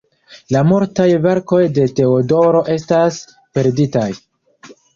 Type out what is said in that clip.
La multaj verkoj de Teodoro estas perditaj.